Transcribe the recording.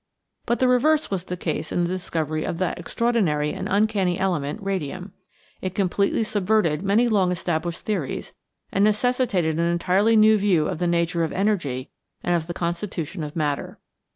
But the reverse was the case in the discovery of that extraordinary and uncanny element, radium. It completely subverted many long established theories and necessitated an entirely new view of the nature of energy and of the constitution of matter.